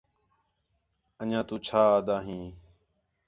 انڄیاں تُو چھا آہدا ہیں